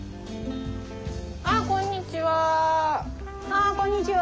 あっこんにちは。